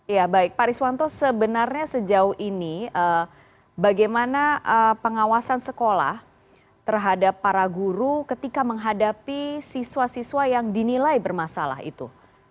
ya baik pak riswanto sebenarnya sejauh ini bagaimana pengawasan sekolah terhadap para guru ketika menghadapi siswa siswa yang dinilai bermasalah itu